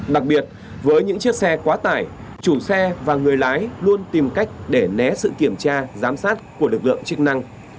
đặc biệt với những chiếc xe quá tải chủ xe và người lái luôn tìm cách để né sự kiểm tra giám sát của lực lượng chức năng